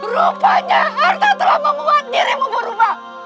rupanya harta telah membuat dirimu berubah